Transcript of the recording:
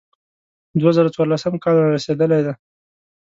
دوه زره څوارلسم کال را رسېدلی دی.